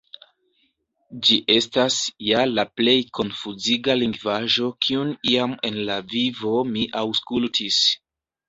Ĝi estas ja la plej konfuziga lingvaĵo kiun iam en la vivo mi aŭskultis.